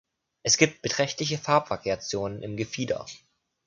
Es gibt beträchtliche Farbvariationen im Gefieder.